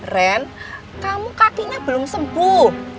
ren kamu kakinya belum sembuh